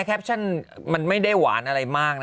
แคปชั่นมันไม่ได้หวานอะไรมากนะ